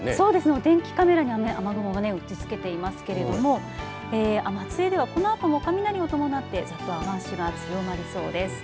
お天気カメラにも雨が打ちつけていますけれども松江ではこのあとも雷を伴って雨足が強まりそうです。